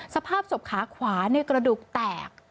สภาพศพขาขวากระดูกแตก